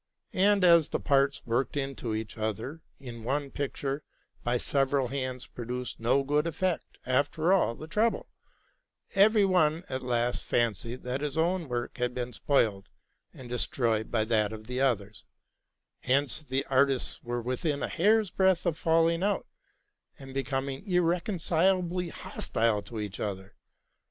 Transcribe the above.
And, as the parts worked into each other in one picture by several hands produced no good effect after all the trouble, every one at last fancied that his own work had been spoiled and destroyed by that of the others ; hence the artists were with in a hair's breadth of falling out, and becoming irreconcilably hostile to each other.